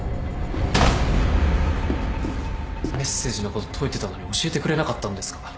メッセージのこと解いてたのに教えてくれなかったんですか？